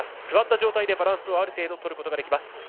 座った状態でバランスをある程度、とることができます。